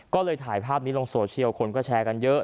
ก็เลยถ่ายภาพนี้ลงโซเชียลคนก็แชร์กันเยอะ